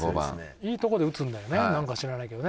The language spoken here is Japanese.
いいとこで打つんだよねなんか知らないけどね。